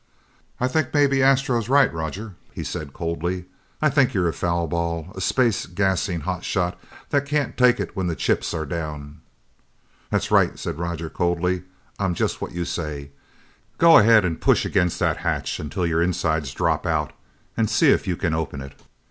"I think maybe Astro's right, Roger," he said coldly. "I think you're a foul ball, a space gassing hot shot that can't take it when the chips are down!" "That's right," said Roger coldly. "I'm just what you say! Go ahead, push against that hatch until your insides drop out and see if you can open it!"